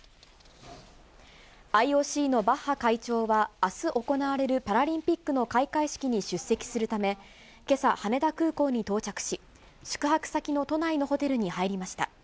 ＩＯＣのバッハ会長は、あす行われるパラリンピックの開会式に出席するため、けさ羽田空港に到着し、宿泊先の都内のホテルに入りました。